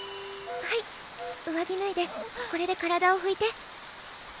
はい上着ぬいでこれで体をふいて。